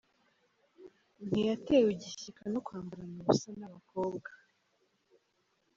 Ntiyatewe igishyika no kwambarana ubusa n’abakobwa .